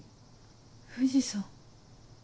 藤さん。